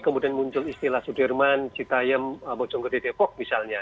kemudian muncul istilah sudirman citem bojonggode depok misalnya